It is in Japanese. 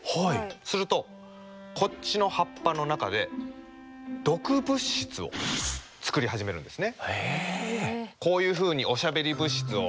するとこっちの葉っぱの中で毒物質を作り始めるんですね。